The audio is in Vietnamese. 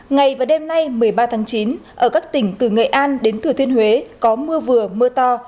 ngày và đêm nay một mươi ba tháng chín ở các tỉnh từ nghệ an đến thừa thiên huế có mưa vừa mưa to